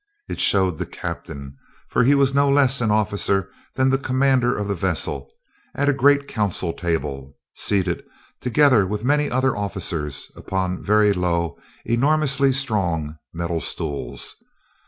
It showed the captain for he was no less an officer than the commander of the vessel at a great council table, seated, together with many other officers, upon very low, enormously strong metal stools.